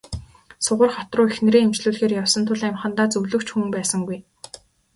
Сугар хот руу эхнэрээ эмчлүүлэхээр явсан тул амьхандаа зөвлөх ч хүн байсангүй.